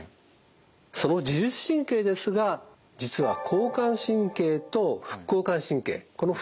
その自律神経ですが実は交感神経と副交感神経この２つがあります。